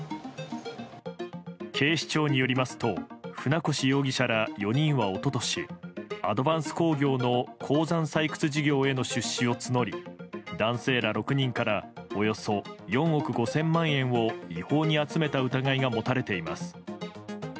警視庁によりますと船越容疑者ら４人は一昨年アドヴァンス工業の鉱山採掘事業への出資を募り男性ら６人からおよそ４億５０００万円を違法に集めた疑いが持たれています。